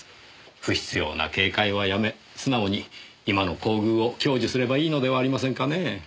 不必要な警戒はやめ素直に今の厚遇を享受すればいいのではありませんかねえ。